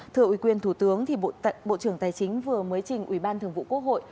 thưa ủy quyền thủ tướng bộ trưởng tài chính vừa mới trình ủy ban thường vụ quốc hội